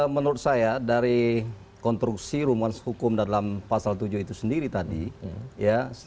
menurut saya dari konstruksi rumuan hukum dalam pasal tujuh itu sendiri tadi ya